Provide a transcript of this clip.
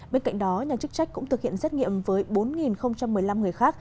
bên cạnh đó nhà chức trách cũng thực hiện xét nghiệm với bốn một mươi năm người khác